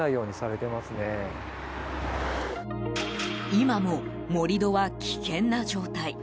今も、盛り土は危険な状態。